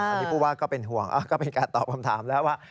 อันนี้ผู้ว่าก็เป็นห่วงก็เป็นการตอบคำถามแล้วว่า